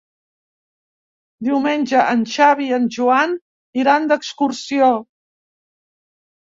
Diumenge en Xavi i en Joan iran d'excursió.